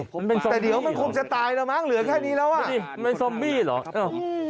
แต่เดี๋ยวมันคงจะตายแล้วมั้งเหลือแค่นี้แล้วอ่ะไม่ดิมันเป็นซอมบี้หรออืม